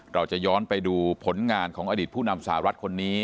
เราจะย้อนไปดูผลงานของอดีตผู้นำสหรัฐคนนี้